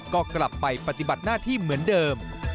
ก็กลับไปปฏิบัติหน้าที่เหมือนเดิม